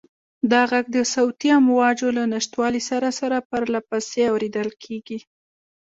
دا غږ د صوتي امواجو له نشتوالي سره سره پرله پسې اورېدل کېږي.